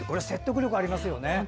説得力ありますよね。